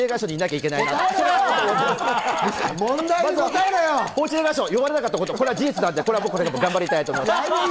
報知映画賞呼ばれなかったことは事実なので、これから頑張りたいと思います。